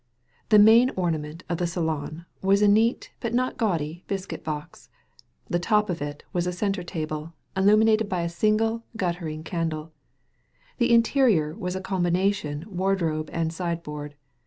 The main ornament of the salon was a neat but not gaudy biscuit box. The top of it was a centre table, illuminated by a single, guttering candle; the interior was a *' combination'* wardrobe and sideboard.